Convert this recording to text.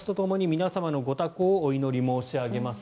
皆様のご多幸をお祈り申し上げます。